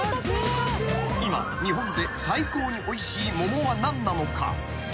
［今日本で最高においしい桃は何なのか？］